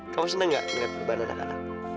kamu seneng enggak dengan perubahan anak anak